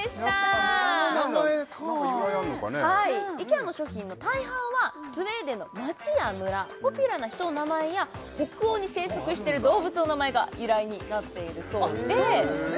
やっぱ村の名前かはいイケアの商品の大半はスウェーデンの町や村ポピュラーな人の名前や北欧に生息している動物の名前が由来になっているそうでそうなんですね